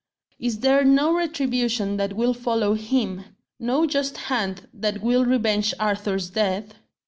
is there no retribution that will follow him? no just hand that will revenge Arthur's death?"